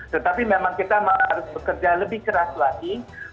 tetapi memang kita harus bekerja lebih keras lagi